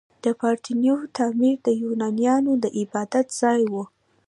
د پارتینون تعمیر د یونانیانو د عبادت ځای و.